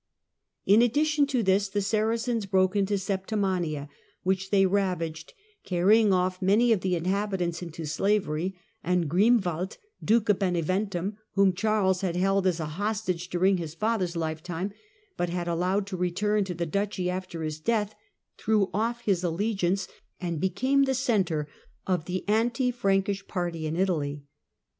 In addition to this the Saracens broke into Septimania, which they ravaged, carrying off many of the inhabitants into slavery ; and Grimwald, Duke of Beneventum, whom Charles had held as a hostage during his father's lifetime, but had allowed to return to the duchy after his death, threw off his allegi ance and became the centre of the anti Frankish party in Italy.